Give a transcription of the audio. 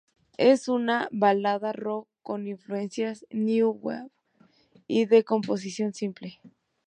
Es una balada rock con influencias New wave y de composición simple.